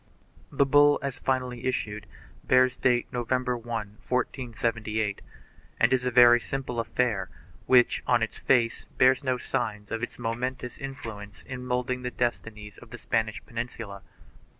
The bull as finally issued bears date November 1, 1478, and is a very simple affair which, on its face, bears no signs of its momentous influence in moulding the destinies of the Spanish Peninsula.